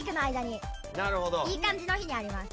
いい感じの日にあります。